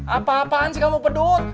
apa apaan sih kamu pedut